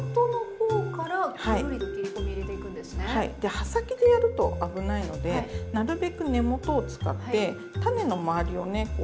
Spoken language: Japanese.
刃先でやると危ないのでなるべく根元を使って種の周りをね